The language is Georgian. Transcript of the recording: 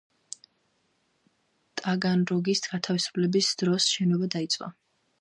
ტაგანროგის გათავისუფლების დროს შენობა დაიწვა.